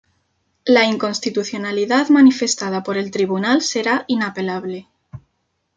La inconstitucionalidad manifestada por el Tribunal será inapelable.